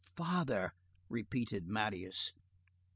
"Father—" repeated Marius.